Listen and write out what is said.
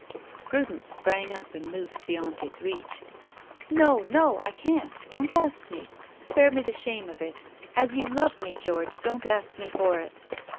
Prudence sprang up and moved beyond his reach. "No, no! I can't! Don't ask me. Spare me the shame of it. As you love me, George, don't ask me for it."